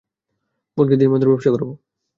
বোনকে দিয়ে মদের ব্যবসা করাবো?